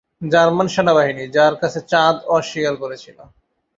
German সেনাবাহিনী, যার কাছে চাঁদ অস্বীকার করেছিল।